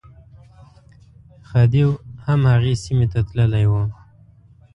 خدیو هم هغې سیمې ته تللی و.